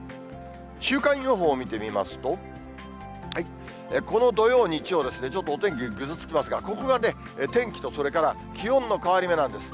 週間予報見てみますと、この土曜、日曜ですね、ちょっとお天気ぐずつきますが、ここがね、天気と、それから気温の変わり目なんです。